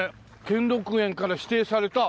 兼六園から指定された。